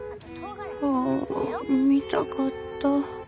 ああ見たかった。